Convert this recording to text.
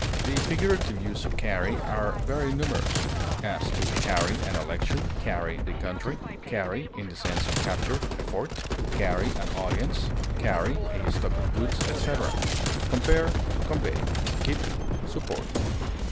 The figurative uses of carry are very numerous; as, to carry an election, carry the country, carry (in the sense of capture) a fort, carry an audience, carry a stock of goods, etc. Compare CONVEY; KEEP; SUPPORT.